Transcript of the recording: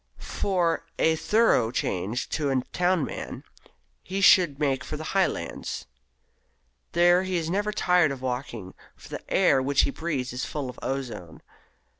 For a thorough change to a town man, he should make for the Highlands. There he is never tired of walking, for the air which he breathes is full of ozone.